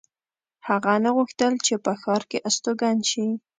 هغه نه غوښتل چې په ښار کې استوګن شي